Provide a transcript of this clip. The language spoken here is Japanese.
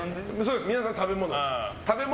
皆さん食べ物です。